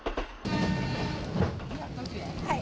はい。